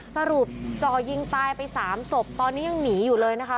สรุปจ่อยิงตายไป๓ศพตอนนี้ยังหนีอยู่เลยนะคะ